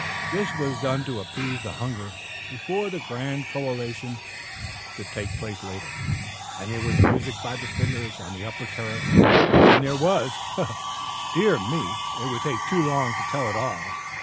This was done to appease the hunger before the grand collation should take place later. And there was music by the fiddlers on the upper terrace, and there was, dear me, it would take quite too long to tell it all!